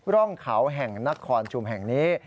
ร่องเขาแห่งนครชุมแห่งนี้